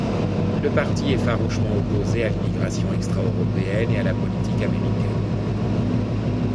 Le parti est farouchement opposé à l'immigration extra-européenne et à la politique américaine.